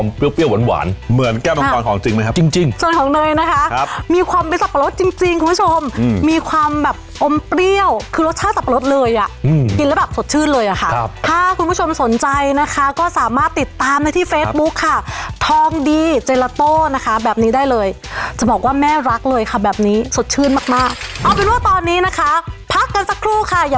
เยื่อเยื่อเยื่อเยื่อเยื่อเยื่อเยื่อเยื่อเยื่อเยื่อเยื่อเยื่อเยื่อเยื่อเยื่อเยื่อเยื่อเยื่อเยื่อเยื่อเยื่อเยื่อเยื่อเยื่อเยื่อเยื่อเยื่อเยื่อเยื่อเยื่อเยื่อเยื่อเยื่อเยื่อเยื่อเยื่อเยื่อ